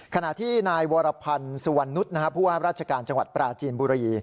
ขณะที่นายวรพันธ์สุวรรณนุษย์ผู้ว่าราชการจังหวัดปราจีนบุรี